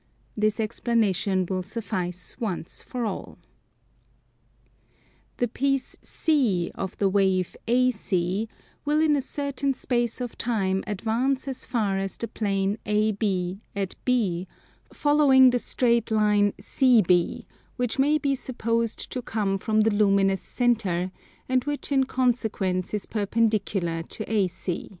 This explanation will suffice once for all. The piece C of the wave AC, will in a certain space of time advance as far as the plane AB at B, following the straight line CB, which may be supposed to come from the luminous centre, and which in consequence is perpendicular to AC.